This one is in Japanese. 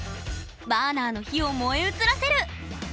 バーナーの火を燃え移らせる！